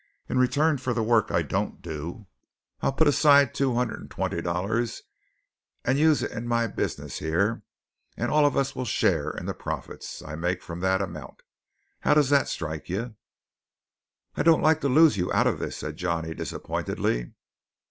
In return for the work I don't do, I'll put aside two hundred and twenty dollars and use it in my business here, and all of us will share in the profits I make from that amount. How does that strike you?" "I don't like to lose you out of this," said Johnny disappointedly.